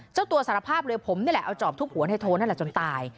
เจ้าตัวสารภาพเลยผมนี่แหละเอาจอบทุบหัวในโทนนั่นแหละจนตาย